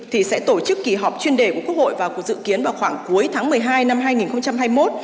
thì sẽ tổ chức kỳ họp chuyên đề của quốc hội vào cuộc dự kiến vào khoảng cuối tháng một mươi hai năm hai nghìn hai mươi một